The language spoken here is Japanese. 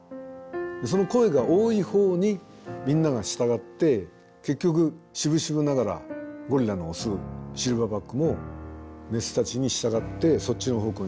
その声が多いほうにみんなが従って結局しぶしぶながらゴリラのオスシルバーバックもメスたちに従ってそっちの方向に行くようになる。